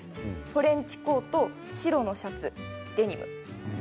トレンチコート、白のシャツデニム